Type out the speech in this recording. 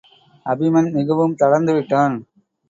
அபிமன் மிகவும் தளர்ந்து விட்டான்.